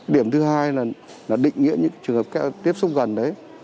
điểm thứ hai là định nghĩa những trường hợp tiếp xúc gần đấy